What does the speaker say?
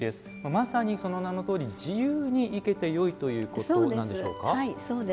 まさにその名のとおり自由に生けてよいということなんでしょうか。